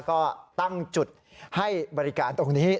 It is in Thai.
ก็ตั้งจุดให้บริการตรงนี้